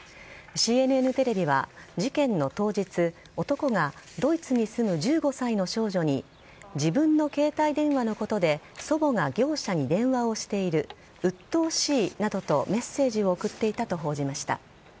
ＣＮＮテレビは、事件の当日男がドイツに住む１５歳の少女に自分の携帯電話のことで祖母が業者に電話をしているうっとうしいなどとメッセージを送っていたと報じました。